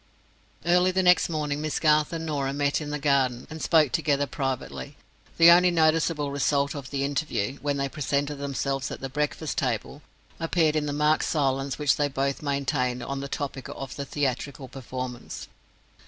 Early the next morning Miss Garth and Norah met in the garden and spoke together privately. The only noticeable result of the interview, when they presented themselves at the breakfast table, appeared in the marked silence which they both maintained on the topic of the theatrical performance.